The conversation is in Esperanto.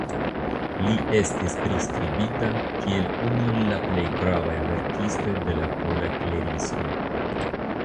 Li estis priskribita kiel unu el la plej gravaj verkistoj de la Pola Klerismo.